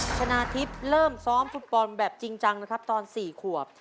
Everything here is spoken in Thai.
ชนะทิพย์เริ่มซ้อมฟุตบอลแบบจริงจังนะครับตอน๔ขวบ